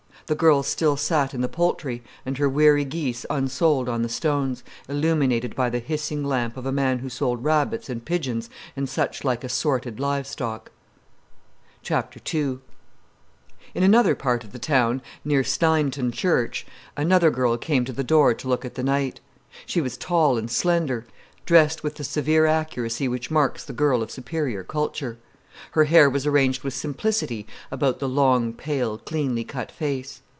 The girl still sat in the Poultry, and her weary geese unsold on the stones, illuminated by the hissing lamp of a man who sold rabbits and pigeons and such like assorted live stock. II In another part of the town, near Sneinton Church, another girl came to the door to look at the night. She was tall and slender, dressed with the severe accuracy which marks the girl of superior culture. Her hair was arranged with simplicity about the long, pale, cleanly cut face.